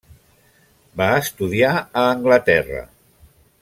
Va estudiar a Anglaterra.